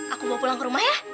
aku mau pulang ke rumah ya